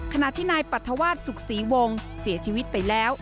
ขณะที่นายปรัฐวาสสุขศรีวงศ์เสียชีวิตไปแล้ว